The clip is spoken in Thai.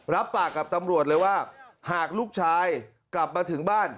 รับปากกับตำรวจเลยว่าหากลูกชายกลับมาถึงบ้าน